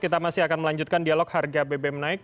kita masih akan melanjutkan dialog harga bb menaik